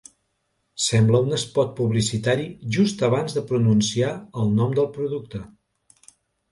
Sembla un espot publicitari just abans de pronunciar el nom del producte.